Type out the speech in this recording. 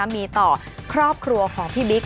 มีต่อครอบครัวของพี่บิ๊ก